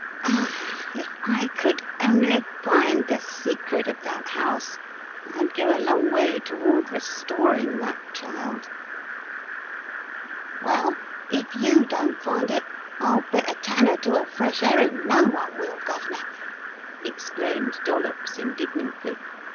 Ah, if I could only find the secret of that house Fd go a long way toward restoring that child/' "Well, if you don't find it 111 bet a tanner to a fresh herein' no one will, guv'nor," exclaimed Dollops indignantly.